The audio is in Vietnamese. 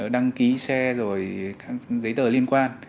đăng ký xe rồi các giấy tờ liên quan